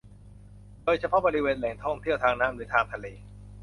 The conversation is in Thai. โดยเฉพาะบริเวณแหล่งท่องเที่ยวทางน้ำหรือทางทะเล